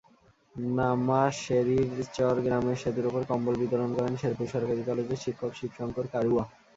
নামাশেরিরচর গ্রামের সেতুর ওপর কম্বল বিতরণ করেন শেরপুর সরকারি কলেজের শিক্ষক শিবশঙ্কর কারুয়া।